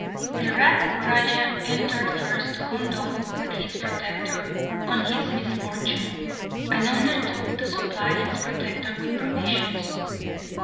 The rat raja entered first to condole with his protector on his misfortune, and undertook to supply his protector with provisions.